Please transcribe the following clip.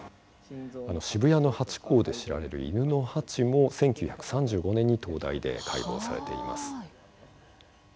渋谷のハチ公で知られる犬のハチも、１９３５年に東大で解剖されています。